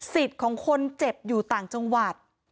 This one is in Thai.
ของคนเจ็บอยู่ต่างจังหวัด